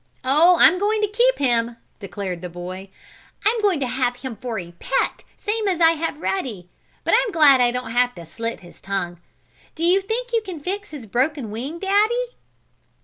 "Oh, I'm going to keep him!" declared the boy. "I'm going to have him for a pet same as I have Ruddy. But I'm glad I don't have to slit his tongue. Do you think you can fix his broken wing, Daddy?"